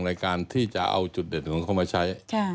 ในการที่จะเอาจุดเด่นของเขามาใช้